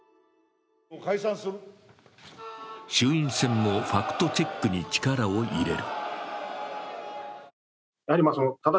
衆院選もファクトチェックに力を入れる。